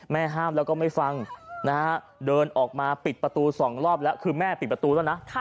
ห้ามแล้วก็ไม่ฟังนะฮะเดินออกมาปิดประตู๒รอบแล้วคือแม่ปิดประตูแล้วนะ